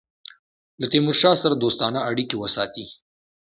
له تیمورشاه سره دوستانه اړېکي وساتي.